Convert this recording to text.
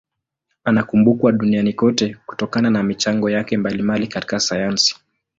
Anakumbukwa duniani kote kutokana na michango yake mbalimbali katika sayansi.